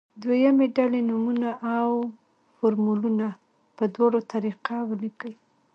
دویمه ډله دې نومونه او فورمولونه په دواړو طریقه ولیکي.